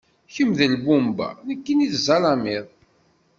Kemm d lbumba, nekkini d zzalimiḍ.